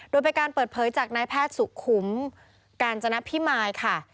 โดยเป็นการเปิดเผยจากนายแพทย์สุขุมกาญจนพิมายค่ะ